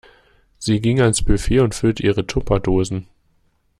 Sie ging ans Buffet und füllte ihre Tupperdosen.